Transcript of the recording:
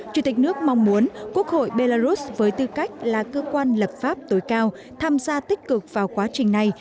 chủ tịch nước mong muốn quốc hội belarus với tư cách là cơ quan lập pháp tối cao tham gia tích cực vào quá trình này